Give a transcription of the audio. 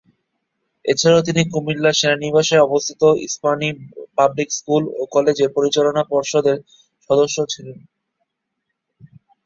এছাড়াও তিনি কুমিল্লা সেনানিবাসে অবস্থিত ইস্পাহানী পাবলিক স্কুল ও কলেজের পরিচালনা পর্ষদের সদস্য ছিলেন।